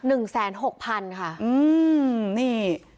อืมนี่